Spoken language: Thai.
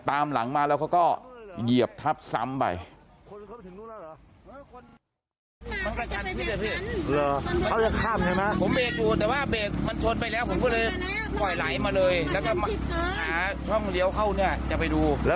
ตามหลังมาแล้วเขาก็เหยียบทับซ้ำไป